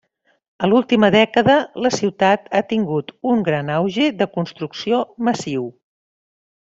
A l'última dècada, la ciutat ha tingut un gran auge de construcció massiu.